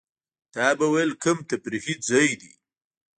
تا به وېل کوم تفریحي ځای دی.